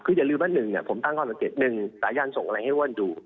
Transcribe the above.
คืออย่าลืมว่าหนึ่งเนี่ยผมตั้งคอหนึ่งนึงสายันส่งอะไรให้อ้วนดู